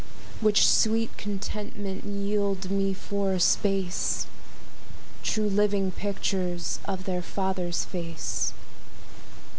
Which sweet contentment yield me for a space, True living pictures of their father's face.